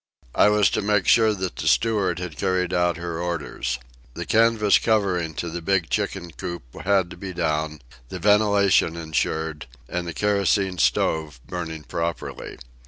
I was to make sure that the steward had carried out her orders. The canvas covering to the big chicken coop had to be down, the ventilation insured, and the kerosene stove burning properly.